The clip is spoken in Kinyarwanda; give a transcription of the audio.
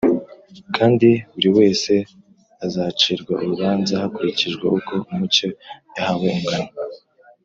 , kandi buri wese azacirwa urubanza hakurikijwe uko umucyo yahawe ungana